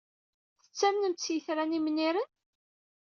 Tettamnemt s yitran imniren?